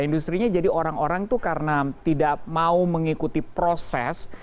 industri nya jadi orang orang itu karena tidak mau mengikuti proses